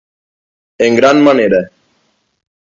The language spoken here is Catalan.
En gran manera.